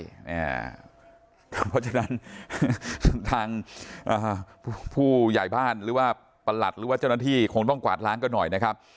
เพราะฉะนั้นทางผู้ใหญ่บ้านหรือว่าประหลัดหรือว่าเจ้าหน้าที่คงต้องกวาดล้างกันหน่อยนะครับ